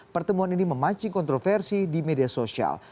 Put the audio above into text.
pertemuan ini memancing kontroversi di media sosial